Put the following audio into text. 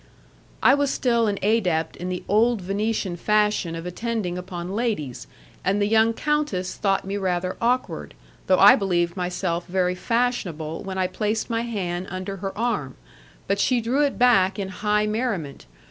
I was still an adept in the old Venetian fashion of attending upon ladies, and the young countess thought me rather awkward, though I believed myself very fashionable when I placed my hand under her arm, but she drew it back in high merriment.